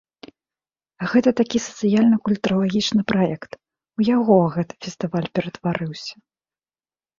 Гэта такі сацыяльна-культуралагічны праект, у яго гэта фестываль ператварыўся.